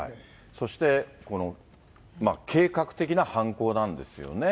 そして、この計画的な犯行なんですよね。